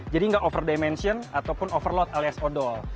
jadi gak over dimension ataupun overload alias odol